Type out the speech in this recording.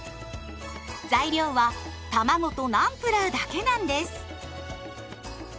材料はたまごとナンプラーだけなんです。